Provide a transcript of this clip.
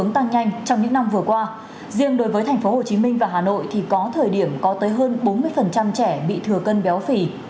trong thành phố hồ chí minh và hà nội thì có thời điểm có tới hơn bốn mươi trẻ bị thừa cân béo phì